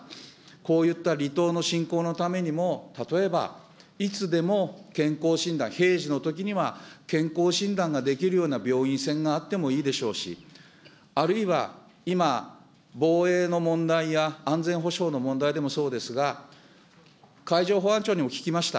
こういう離島の振興のためにも、例えば、いつでも健康診断、平時のときには健康診断ができるような病院船があってもいいでしょうし、あるいは今、防衛の問題や安全保障の問題でもそうですが、海上保安庁にも聞きました。